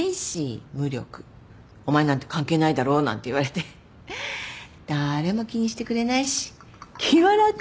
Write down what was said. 「お前なんて関係ないだろ」なんて言われて誰も気にしてくれないし気は楽。